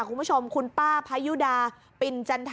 คุณผู้ชมคุณป้าพายุดาปินจันทะ